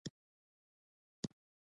تیمور ورسره ډېر سم سلوک کوي.